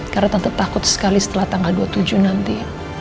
karena tante takut sekali setelah tanggal dua puluh tujuh nanti